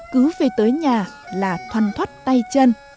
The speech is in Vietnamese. cứ về tới nhà là thoăn thoát tay chân